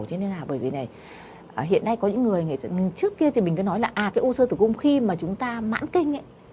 cho nên là bởi vì này hiện nay có những người trước kia thì mình cứ nói là cái o sơ tử cung khi mà chúng ta mãn kinh ấy